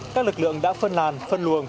các lực lượng đã phân làn phân luồng